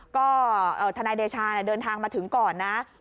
ก็ทนายเดชาเดินทางมาถึงก่อนนะ